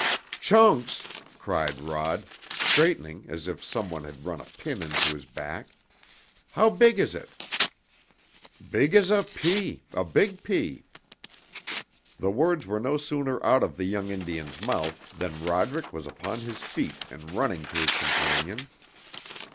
"Chunks!" cried Rod, straightening as if some one had run a pin into his back. "How big is it?" "Big as a pea a big pea!" The words were no sooner out of the young Indian's mouth than Roderick was upon his feet and running to his companion.